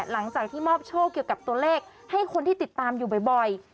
หลังจากที่มอบโชคเกี่ยวกับตัวเลขให้คนที่ติดตามอยู่บ่อย